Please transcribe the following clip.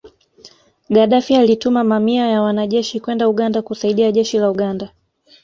Gadaffi alituma mamia ya wanajeshi kwenda Uganda kusaidia Jeshi la Uganda